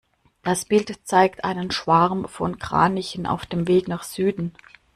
Das Bild zeigt einen Schwarm von Kranichen auf dem Weg nach Süden.